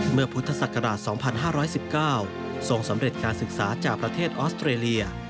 พุทธศักราช๒๕๑๙ทรงสำเร็จการศึกษาจากประเทศออสเตรเลีย